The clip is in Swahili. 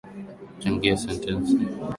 Changia sentensi